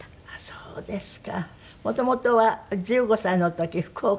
そうですね。